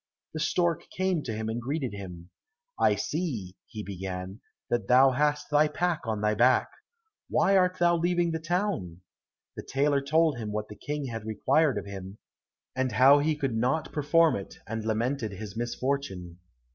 The stork came to him and greeted him. "I see," he began, "that thou hast thy pack on thy back. Why art thou leaving the town?" The tailor told him what the King had required of him, and how he could not perform it, and lamented his misfortune.